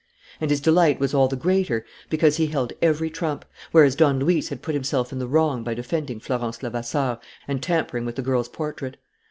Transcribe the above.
And his delight was all the greater because he held every trump, whereas Don Luis had put himself in the wrong by defending Florence Levasseur and tampering with the girl's portrait.